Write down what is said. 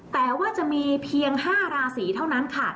แต่ว่าจะมีเพียง๕ราศีเท่านั้นค่ะ